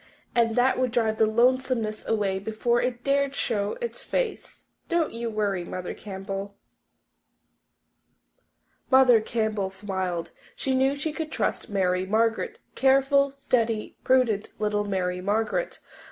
And that would drive the lonesomeness away before it dared to show its face. Don't you worry, Mother Campbell." Mother Campbell smiled. She knew she could trust Mary Margaret careful, steady, prudent little Mary Margaret.